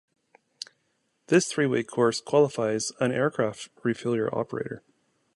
This three-week course qualifies an aircraft refueller operator.